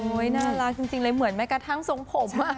น่ารักจริงเลยเหมือนแม้กระทั่งทรงผม